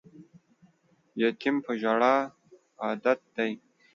یتیم په ژړا عادت دی